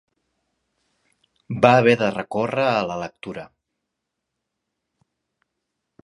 Va haver de recórrer a la lectura